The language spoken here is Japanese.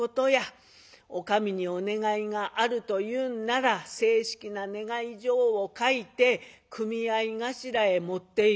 お上にお願いがあるというんなら正式な願い状を書いて組合頭へ持っていく。